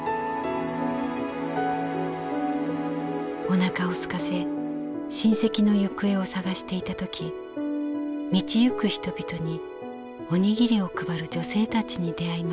「お腹をすかせ親戚の行方を捜していたとき道行く人々におにぎりを配る女性たちに出会いました。